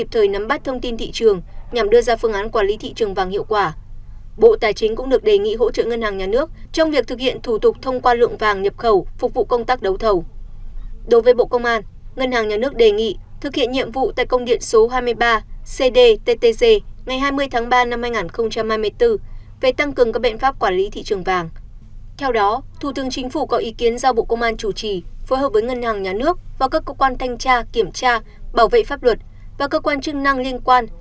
theo đó thủ tướng chính phủ có ý kiến do bộ công an chủ trì phối hợp với ngân hàng nhà nước và các cơ quan thanh tra kiểm tra bảo vệ pháp luật và cơ quan chức năng liên quan